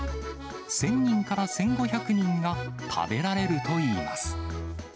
１０００人から１５００人が食べられるといいます。